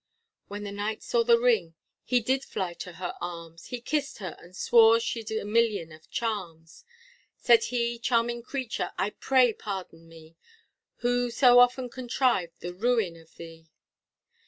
When the Knight saw the ring he did fly to her arms He kissed her and swore she'd a million of charms, Said he, charming creature, I pray pardon me, Who so often contrived the ruin of thee.